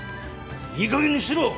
いいかげんにしろ！